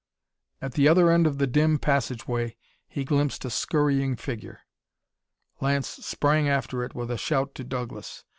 At the other end of the dim passageway he glimpsed a scurrying figure! Lance sprang after it with a shout to Douglas.